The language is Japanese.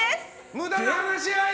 無駄な話し合い！